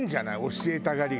教えたがりが。